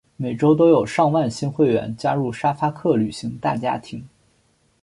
每周都有上万新会员加入沙发客旅行大家庭。